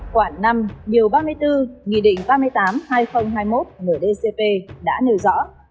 quảng năm điều ba mươi bốn nghị định ba mươi tám hai nghìn hai mươi một ndcp đã nêu rõ